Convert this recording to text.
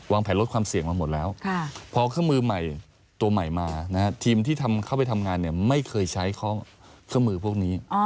ลดความเสี่ยงมาหมดแล้วพอเครื่องมือใหม่ตัวใหม่มาทีมที่เข้าไปทำงานเนี่ยไม่เคยใช้เครื่องมือพวกนี้